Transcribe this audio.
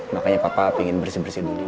makanya papa ingin bersih bersih dulu